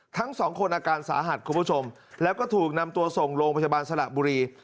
ทั้งสองคนอาการสาหัสคุณผู้ชมแล้วก็ถูกนำตัวส่งโรงพยาบาลสละบุรี